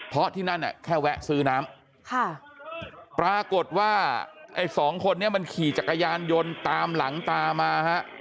เพราะที่นั่นแค่แวะซื้อน้ำปรากฏว่าไอ้สองคนนี้มันขี่จักรยานยนต์ตามหลังตามาฮะ